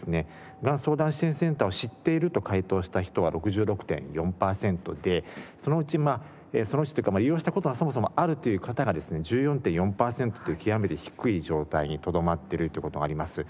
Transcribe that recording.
がん相談支援センターを知っていると回答した人は６６．４パーセントでそのうちまあそのうちというか利用した事がそもそもあるという方がですね１４．４パーセントという極めて低い状態にとどまってるという事はあります。